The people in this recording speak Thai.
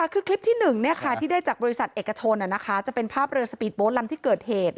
คือคลิปที่๑ที่ได้จากบริษัทเอกชนจะเป็นภาพเรือสปีดโบ๊ทลำที่เกิดเหตุ